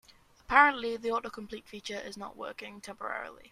Apparently, the autocomplete feature is not working temporarily.